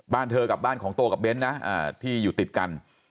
บ้านเธอกับบ้านของโตกับเบ้นนะที่อยู่ติดกัน